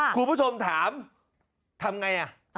คุณผู้ชมถามทำไง